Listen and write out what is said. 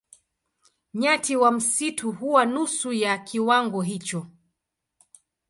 Nyati wa msitu huwa nusu ya kiwango hicho.